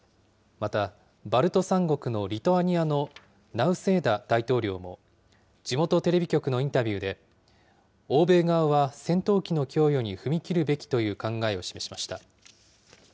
また、バルト三国のリトアニアのナウセーダ大統領も、地元テレビ局のインタビューで、欧米側は戦闘機の供与に踏み切るべきという考えを示しました。